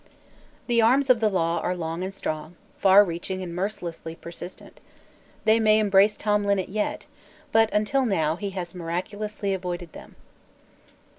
The arms of the law are long and strong, far reaching and mercilessly persistent. They may embrace Tom Linnet yet, but until now he has miraculously avoided them.